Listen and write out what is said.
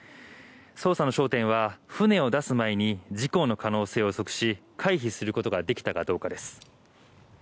捜査の焦点は船を出す前に事故の可能性を予測し回避することができたかどうかです。